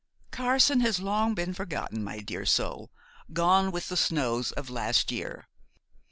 'Carson has long been forgotten, my dear soul, gone with the snows of last year.